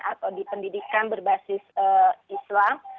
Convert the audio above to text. atau di pendidikan berbasis islam